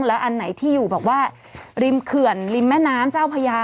แล้วอันไหนที่อยู่แบบว่าริมเขื่อนริมแม่น้ำเจ้าพญา